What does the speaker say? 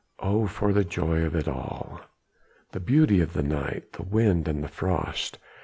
Oh! for the joy of it all! the beauty of the night, the wind and the frost!